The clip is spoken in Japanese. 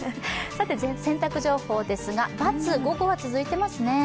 洗濯情報、×午後は続いていますね。